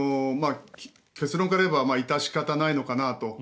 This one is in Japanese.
結論から言えば致し方ないのかなと。